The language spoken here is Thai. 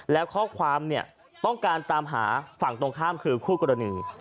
แล้วข้อความเนี่ยต้องการตามหาฝั่งตรงข้ามคือคู่กรณี